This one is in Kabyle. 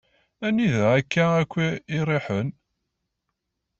Anida akka akk i iriḥen?